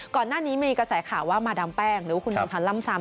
ก่อนหน้านี้มีกระแสข่าวว่ามาดามแป้งหรือว่าคุณนวลพันธ์ล่ำซำ